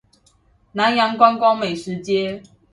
南洋觀光美食街